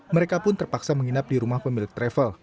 mereka pun terpaksa menginap di rumah pemilik travel